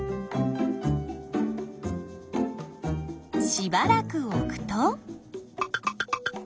しばらく置くと。